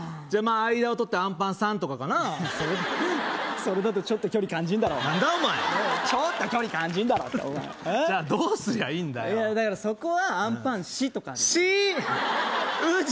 あ間をとってアンパンさんとかかないやそれだとちょっと距離感じんだろ何だお前ちょっと距離感じんだろじゃあどうすりゃいいんだよだからそこはアンパン氏とか氏？